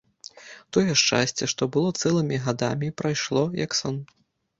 Тое шчасце, што было цэлымі гадамі, прайшло, як сон.